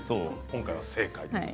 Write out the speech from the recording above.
今回は正解です。